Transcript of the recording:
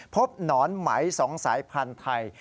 พบหนอนไหมสองสายพันธุ์ไทย